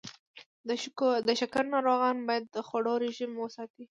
د شکر ناروغان باید د خوړو رژیم وساتي.